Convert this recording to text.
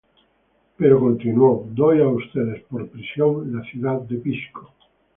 Pero, continuó: "doy a ustedes por prisión la ciudad de Pisco.